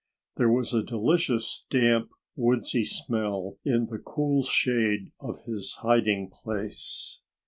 There was a delicious, damp, woodsy smell in the cool shade of his hiding place.